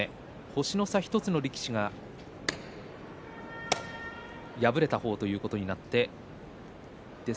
星の差１つの力士が敗れた方ということになります。